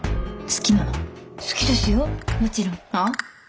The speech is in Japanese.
好きですよもちろん。あ？